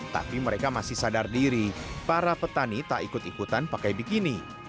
tapi mereka masih sadar diri para petani tak ikut ikutan pakai bikini